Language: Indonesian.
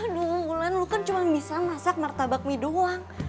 dua bulan lu kan cuma bisa masak martabak mie doang